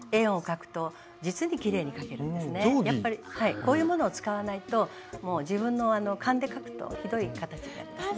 こういうものを使わないともう自分の勘で描くとひどい形になりますね。